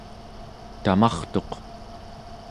tamartuq